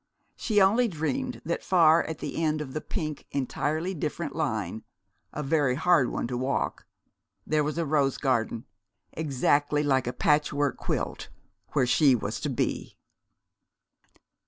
She only dreamed that far at the end of the pink Entirely Different Line a very hard one to walk there was a rose garden exactly like a patchwork quilt, where she was to be.